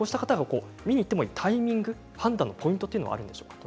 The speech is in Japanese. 見に行ってもいいタイミング判断のポイントはあるんでしょうか。